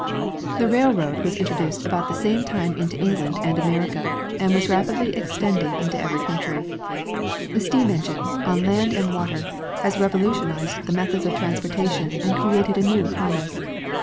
The railroad was introduced about the same time into England and America, and was rapidly extended into every countr3^ The steam engine on land and water has revolutionized the methods of transportation and created a new commerce.